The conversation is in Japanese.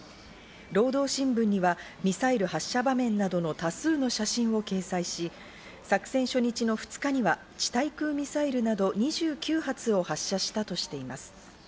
労働新聞にはミサイル発射場面などの多数の写真を掲載し、作戦初日の２日には地対空ミサイルなど２９発を発射したとしています。